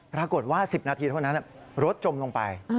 ปรากฏว่า๑๐นาทีเท่านั้นรถจมลงไป